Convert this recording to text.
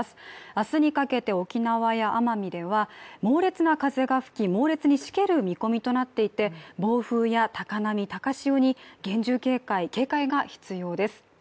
明日にかけて沖縄や奄美では猛烈な風が吹き、猛烈にしける見込みとなっていて、暴風や高波、高潮に厳重警戒、警戒が必要です。